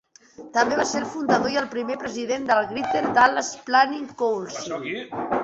També va ser el fundador i el primer president del Greater Dallas Planning Council.